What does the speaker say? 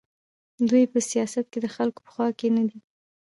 دوی په سیاست کې د خلکو په خوا کې نه دي.